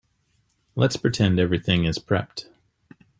Let's pretend everything is prepped.